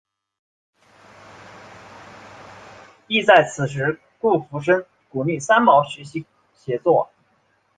亦在此时顾福生鼓励三毛学习写作。